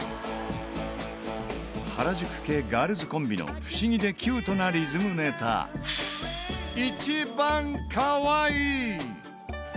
原宿系ガールズコンビの不思議でキュートなリズムネタ、いちばんかわいい。